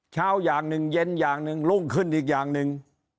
อย่างหนึ่งเย็นอย่างหนึ่งรุ่งขึ้นอีกอย่างหนึ่ง